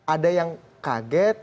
ada yang kaget